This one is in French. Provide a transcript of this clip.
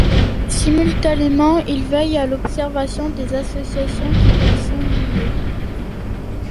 Simultanément il veille à l'observation des associations qui lui sont liées.